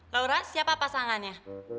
laura siapa pasangannya